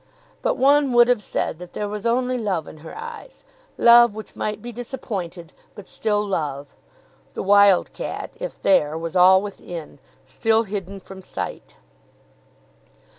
But one would have said that there was only love in her eyes; love which might be disappointed, but still love. The wild cat, if there, was all within, still hidden from sight.